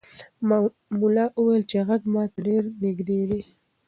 ملا وویل چې غږ ماته ډېر نږدې دی.